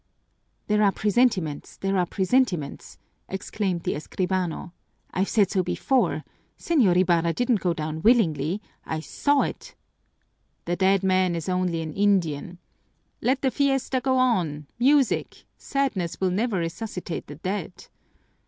"There are presentiments, there are presentiments!" exclaimed the escribano. "I've said so before! Señor Ibarra didn't go down willingly. I saw it!" "The dead man is only an Indian!" "Let the fiesta go on! Music! Sadness will never resuscitate the dead!"